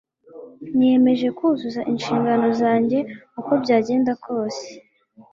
Niyemeje kuzuza inshingano zanjye uko byagenda kose.